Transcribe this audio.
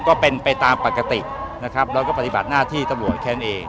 ก็เป็นไปตามปกตินะครับแล้วก็ปฏิบัติหน้าที่ตำรวจแค่นั้นเอง